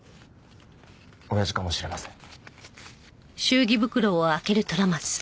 親父かもしれません。